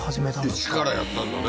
一からやったんだね